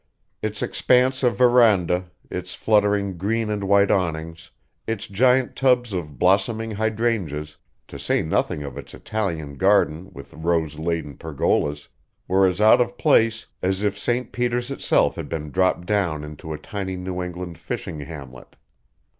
Its expanse of veranda, its fluttering green and white awnings, its giant tubs of blossoming hydrangeas, to say nothing of its Italian garden with rose laden pergolas, were as out of place as if Saint Peter's itself had been dropped down into a tiny New England fishing hamlet.